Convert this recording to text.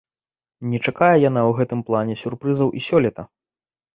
Не чакае яна ў гэтым плане сюрпрызаў і сёлета.